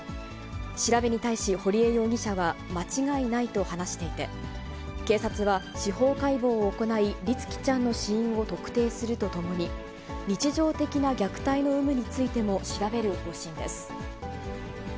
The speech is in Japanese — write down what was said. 調べに対し堀江容疑者は、間違いないと話していて、警察は、司法解剖を行い、律希ちゃんの死因を特定するとともに、日常的な虐待の有無についても調べる方針です。